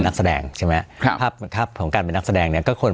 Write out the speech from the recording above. นักแสดงใช่ไหมครับภาพของการเป็นนักแสดงเนี่ยก็คน